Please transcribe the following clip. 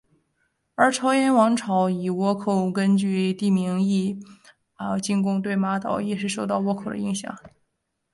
而朝鲜王朝以倭寇根据地名义进攻对马岛也是受到倭寇的影响。